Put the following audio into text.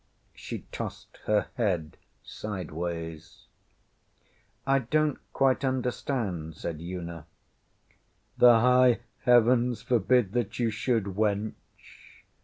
ŌĆÖ She tossed her head sideways. ŌĆśI donŌĆÖt quite understand, ŌĆÖ said Una. ŌĆśThe high heavens forbid that you should, wench!